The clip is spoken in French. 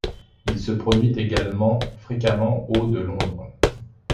Il se produit également fréquemment au de Londres.